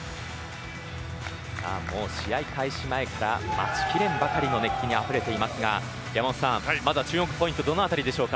試合開始前から待ちきれんばかりの熱気にあふれていますが注目ポイントどのあたりでしょうか。